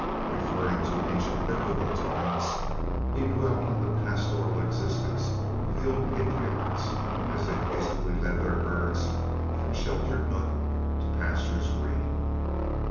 Referring to ancient biblical times, he dwelt upon the pastoral existence of the old patriarchs, as they peacefully led their herds from sheltered nook to pastures green.